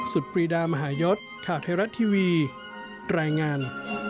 ปรีดามหายศข่าวไทยรัฐทีวีรายงาน